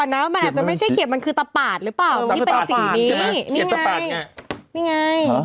เนี่ยไง